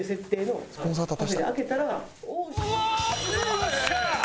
よっしゃー！